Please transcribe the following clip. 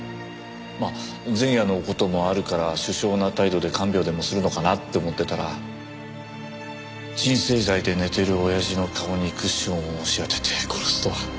まあ前夜の事もあるから殊勝な態度で看病でもするのかなって思ってたら鎮静剤で寝てる親父の顔にクッションを押し当てて殺すとは。